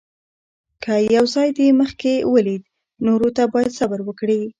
که یو ځای دې مخکې ولید، نورو ته باید صبر وکړې.